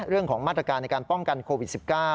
เรื่องของมาตรการในการป้องกันโควิด๑๙